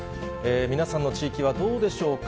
皆さんの地域はどうでしょうか。